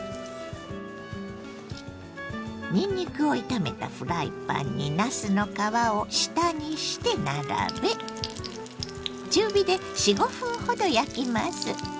にんにくを炒めたフライパンになすの皮を下にして並べ中火で４５分ほど焼きます。